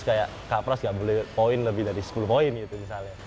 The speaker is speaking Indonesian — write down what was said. kayak kak pras gak boleh poin lebih dari sepuluh poin gitu misalnya